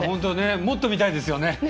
もっと見たいですよね。